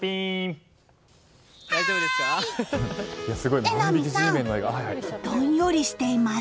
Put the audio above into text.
榎並さん、どんよりしています。